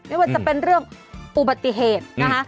ไม่ว่าจะเป็นเรื่องอุบัติเหตุนะคะ